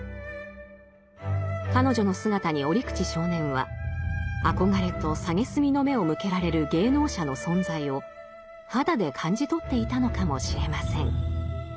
彼女の姿に折口少年は憧れと蔑みの目を向けられる芸能者の存在を肌で感じ取っていたのかもしれません。